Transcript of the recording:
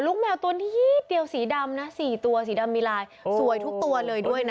แมวตัวนิดเดียวสีดำนะ๔ตัวสีดำมีลายสวยทุกตัวเลยด้วยนะ